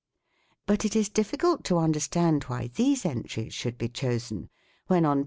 But it is difficult to understand why these entries should be chosen when on p.